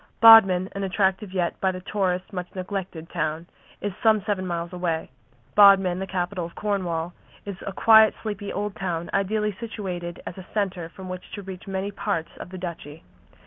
Bodmin, an attractive yet by the tourist much neglected town, is some seven miles away. Bodmin, the capital of Cornwall, is a quiet, sleepy old town ideally situated as a centre from which to reach many parts of the Duchy.